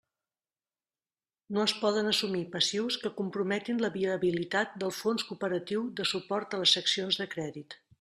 No es poden assumir passius que comprometin la viabilitat del Fons cooperatiu de suport a les seccions de crèdit.